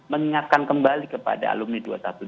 mengingatkan kembali kepada alumni